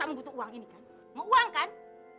kamu butuh uang ini kan mau uang kan